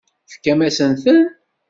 Tefkamt-asent-ten?